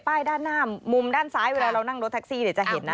ด้านหน้ามุมด้านซ้ายเวลาเรานั่งรถแท็กซี่เนี่ยจะเห็นนะ